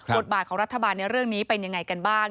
บทบาทของรัฐบาลในเรื่องนี้เป็นยังไงกันบ้าง